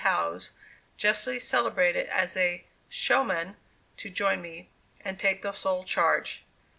Howes, justly celebrated as a "showman," to join me, and take the sole charge.